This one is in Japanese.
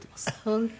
本当？